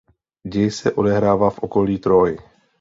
Děj se odehrává v okolí Tróji.